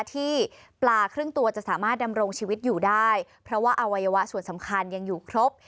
ที่ปลาครึ่งตัวจะสามารถดำรงชีวิตอยู่ได้เพราะว่าอวัยวะส่วนสำคัญยังอยู่ครบ